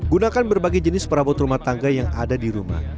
gunakan berbagai jenis perabot rumah tangga yang ada di rumah